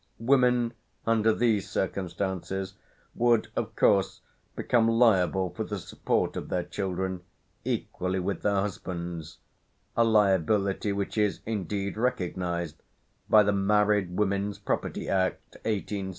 Women, under these circumstances, would, of course, become liable for the support of their children, equally with their husbands a liability which is, indeed, recognized by the Married Women's Property Act (1870), s.